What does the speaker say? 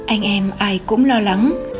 anh em ai cũng lo lắng